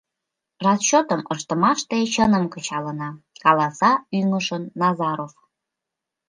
— Расчётым ыштымаште чыным кычалына, — каласа ӱҥышын Назаров.